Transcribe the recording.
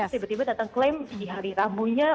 tiba tiba datang klaim di hari rabunya